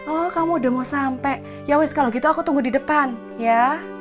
oh kamu udah mau sampai ya wis kalau gitu aku tunggu di depan ya